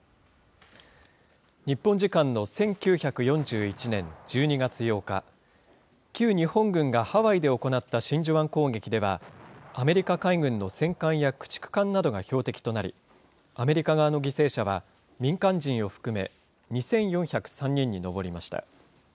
日本時間の１９４１年１２月８日、旧日本軍がハワイで行った真珠湾攻撃では、アメリカ海軍の戦艦や駆逐艦などが標的になり、アメリカ側の犠牲者は、民間人を含め２４０３人に上りました。